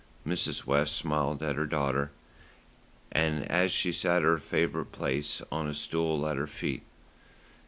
Mrs. West had smiled at her daughter, as she sat at her favourite place on a stool at her feet.